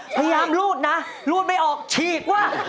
พยายามรูดนะรูดไม่ออกฉีกว่า